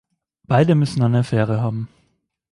Beide müssen eine Affäre haben!